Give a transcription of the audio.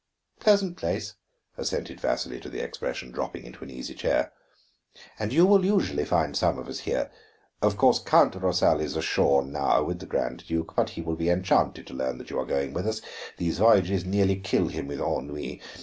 "Pleasant place," assented Vasili to the expression, dropping into an easy chair. "And you will usually find some of us here. Of course, Count Rosal is ashore now with the Grand Duke, but he will be enchanted to learn that you are going with us. These voyages nearly kill him with ennui.